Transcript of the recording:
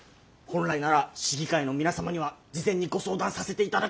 本来なら市議会の皆様には事前にご相談させていただくのが筋です。